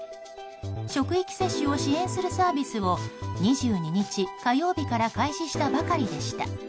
職域接種を支援するサービスを２２日火曜日から開始したばかりでした。